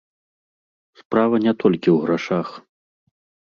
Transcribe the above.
Справа не толькі ў грашах.